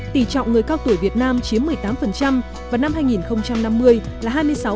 tỷ trọng người cao tuổi việt nam chiếm một mươi tám và năm hai nghìn năm mươi là hai mươi sáu